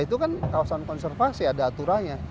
itu kan kawasan konservasi ada aturannya